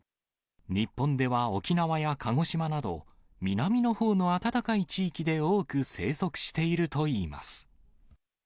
日本では沖縄や鹿児島など、南のほうの暖かい地域で多く生息しているといいます。